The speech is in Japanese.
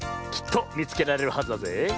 きっとみつけられるはずだぜえ。